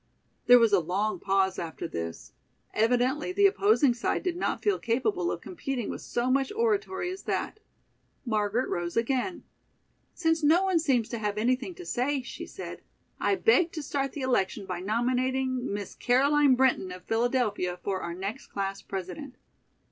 There was a long pause after this. Evidently the opposing side did not feel capable of competing with so much oratory as that. Margaret rose again. "Since no one seems to have anything to say," she said, "I beg to start the election by nominating Miss Caroline Brinton of Philadelphia for our next class president."